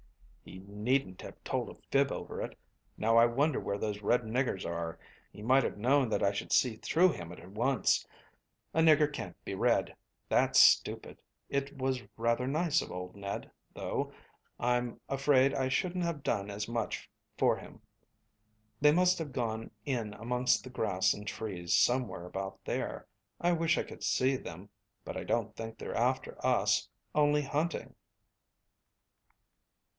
"He needn't have told a fib over it. Now, I wonder where those red niggers are. He might have known that I should see through him at once. A nigger can't be red. That's stupid. It was rather nice of old Ned, though. I'm afraid I shouldn't have done as much for him. They must have gone in amongst the grass and trees somewhere about there. I wish I could see them. But I don't think they're after us only hunting."